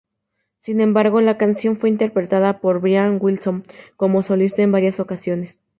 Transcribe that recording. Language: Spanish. Sin embargo, la canción fue interpretada por Brian Wilson como solista en varias ocasiones.